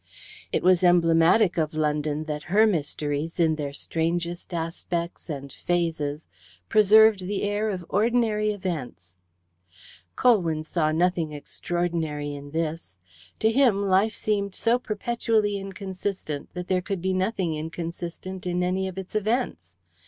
It was emblematic of London that her mysteries, in their strangest aspects and phases, preserved the air of ordinary events. Colwyn saw nothing extraordinary in this. To him Life seemed so perpetually inconsistent that there could be nothing inconsistent in any of its events.